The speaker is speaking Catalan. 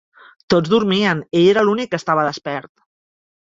Tots dormien: ell era l'únic que estava despert.